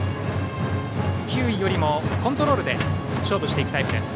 球威よりもコントロールで勝負していくタイプです。